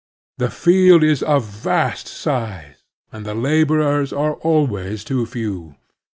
The field is of vast size, and the laborers are always too few.